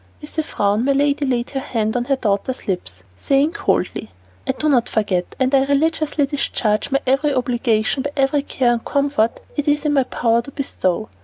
With a frown my lady laid her hand on her daughter's lips, saying coldly, "I do not forget, and I religiously discharge my every obligation by every care and comfort it is in my power to bestow.